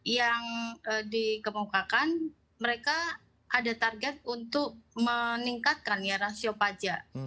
yang dikemukakan mereka ada target untuk meningkatkan ya rasio pajak